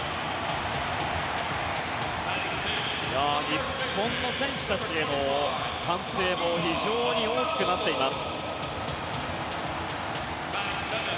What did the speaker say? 日本の選手たちへの歓声も非常に大きくなっています。